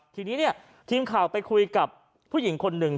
ทีนี้เนี่ยทีมข่าวไปคุยกับผู้หญิงคนหนึ่ง